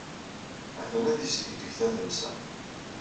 A-t-an ad yesdegdeg tadamsa.